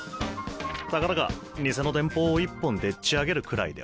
たかだか偽の電報を１本でっち上げるくらいではね。